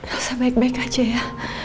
rasa baik baik aja ya